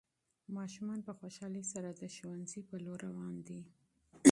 ماشومان په خوشحالۍ سره د ښوونځي په لور روان دي.